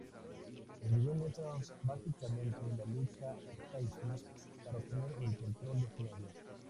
El video muestra básicamente la lucha Stacie para obtener el control de su novio.